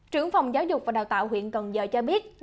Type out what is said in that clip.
trưởng phòng giáo dục và đào tạo huyện cần giờ cho biết